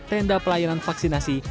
agenda pelayanan vaksinasi